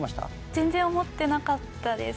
全然思ってなかったです。